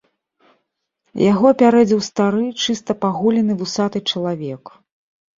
Яго апярэдзіў стары, чыста паголены вусаты чалавек.